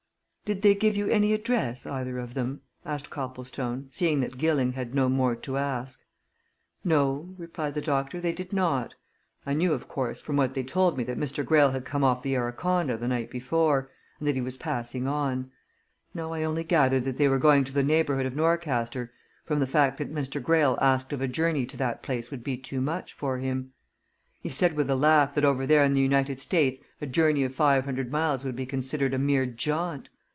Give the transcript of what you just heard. "Did they give you any address, either of them?" asked Copplestone, seeing that Gilling had no more to ask. "No," replied the doctor, "they did not. I knew of course, from what they told me that Mr. Greyle had come off the Araconda the night before, and that he was passing on. No I only gathered that they were going to the neighbourhood of Norcaster from the fact that Mr. Greyle asked if a journey to that place would be too much for him he said with a laugh, that over there in the United States a journey of five hundred miles would be considered a mere jaunt!